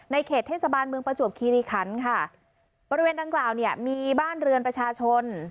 เขตเทศบาลเมืองประจวบคีรีคันค่ะบริเวณดังกล่าวเนี่ยมีบ้านเรือนประชาชน